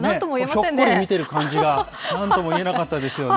ひょっこり見てる感じが、なんともいえなかったですよね。